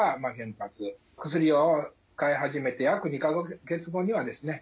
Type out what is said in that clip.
薬を使い始めて約２か月後にはですね